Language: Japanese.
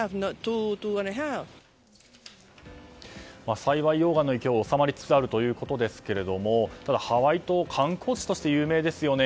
幸い、溶岩の勢いは収まりつつあるということですがただ、ハワイ島は観光地として有名ですよね。